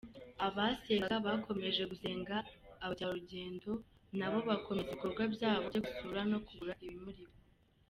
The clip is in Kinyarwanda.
Abasengaga bakomeje gusenga abakerarugendo na bo bakomeza ibikorwa byabo byo gusura no kugura ibimurikwa.